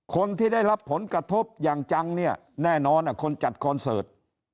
คนที่ได้รับผลกระทบอย่างจังเนี่ยแน่นอนคนจัดคอนเสิร์ต